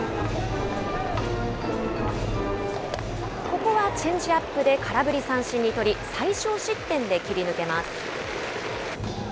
ここはチェンジアップで空振り三振に取り、最少失点で切り抜けます。